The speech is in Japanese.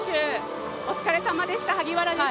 お疲れさまでした。